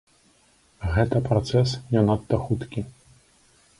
Гэта працэс не надта хуткі.